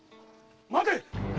待て！